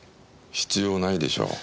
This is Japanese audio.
必要ないでしょう。